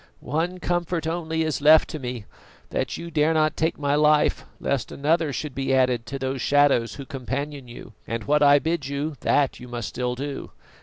One comfort only is left to me, that you dare not take my life lest another should be added to those shadows who companion you, and what I bid you, that you must still do.